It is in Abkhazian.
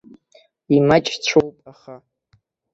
Имаҷцәоуп, аха.